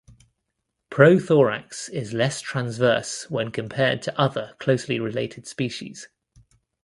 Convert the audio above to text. Prothorax is less transverse when compared to other closely related species.